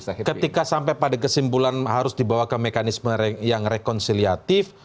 nah ketika sampai pada kesimpulan harus dibawa ke mekanisme yang rekonsiliatif